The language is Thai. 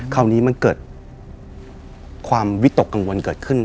คราวนี้มันเกิดความวิตกกังวลเกิดขึ้น